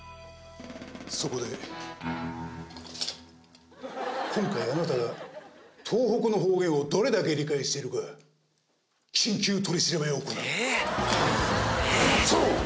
そこで今回あなたが東北の方言をどれだけ理解しているか緊急取調べを行う。